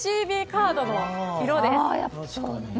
ＪＣＢカードの色です。